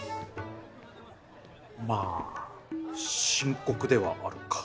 まあ深刻ではあるか。